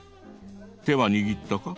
手は握ったか？